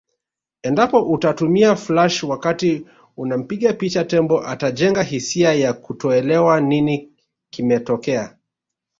Endapo utatumia flash wakati unampiga picha tembo atajenga hisia ya kutoelewa nini kimetokea